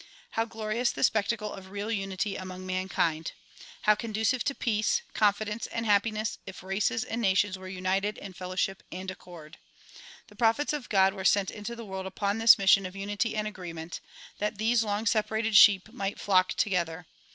How glorious the spectacle of real unity among mankind! How conducive to peace, confidence and happiness if races and nations were united in fellowship and accord! The prophets of God were sent into the world upon this mission of unity and agreement ; that these long separated sheep might flock together.